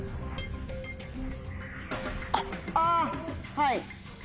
はい。